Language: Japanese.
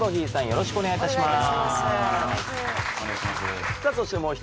よろしくお願いします。